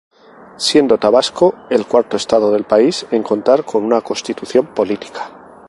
Siendo Tabasco el cuarto estado del país en contar con una Constitución Política.